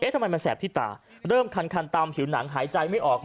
ทำไมมันแสบที่ตาเริ่มคันตามผิวหนังหายใจไม่ออก